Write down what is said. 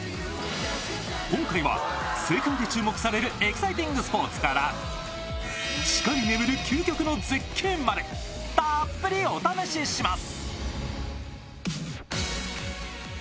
今回は世界で注目されるエキサイティングスポーツから、地下に眠る究極の絶景までたっぷりお試しします。